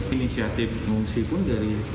inisiatif mengungsi pun dari